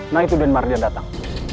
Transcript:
nah itu den mardian datang